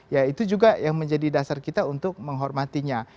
ya itu juga yang menjadi dasar kita untuk menghormatinya